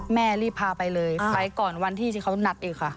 แม่รีบพาไปเลยไปก่อนวันที่ที่เขานัดอีกค่ะ